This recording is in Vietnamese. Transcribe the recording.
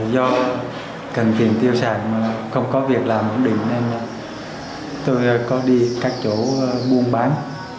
do cần tiền tiêu xài mà không có việc làm ổn định nên tôi có đi các chỗ buôn bán